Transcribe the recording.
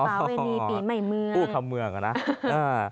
ค่ะปาเวนีปีใหม่เมืองอู้คำเมืองอะนะอ่า